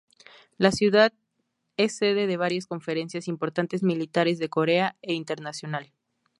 La ciudad es sede de varias conferencias importantes militares de corea e internacional.